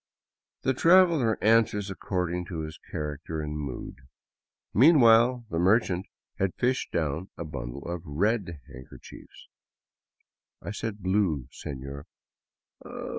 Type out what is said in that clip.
The traveler answers according to his character and mood. Mean while the merchant had fished down a bundle of red handkerchiefs. " I said blue, sefior."